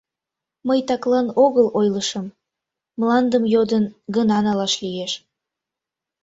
Мый таклан огыл ойлышым, мландым йодын гына налаш лиеш.